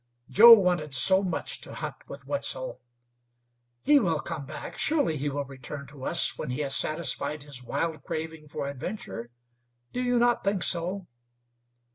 "Joe wanted so much to hunt with Wetzel. He will come back; surely he will return to us when he has satisfied his wild craving for adventure. Do you not think so?"